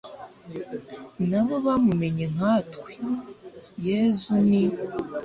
nab o bamumenye nkatwe. yezu ni